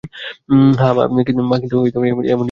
আর হ্যাঁঁ, মা কিন্তু এমনিতেই তোমার কাজ করাটা পছন্দ করে না।